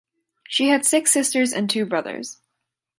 She had six sisters and two brothers.